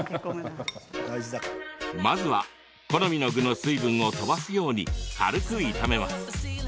まずは好みの具の水分を飛ばすように軽く炒めます。